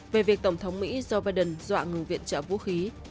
về việc tổng thống mỹ joe biden dọa ngừng viện trợ vũ khí